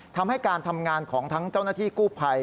ทำให้การทำงานของทั้งเจ้าหน้าที่กู้ภัย